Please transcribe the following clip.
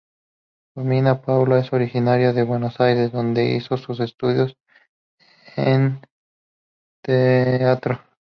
Romina Paula es originaria de Buenos Aires, donde hizo sus estudios en teatro.